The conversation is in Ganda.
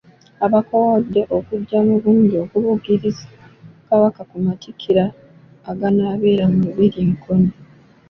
Abakowode okujja mu bungi okubugiriza Kabaka ku Matikkira aganaabera mu Lubiri e Nkoni.